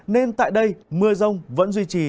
nên tại đây mưa rông vẫn duy trì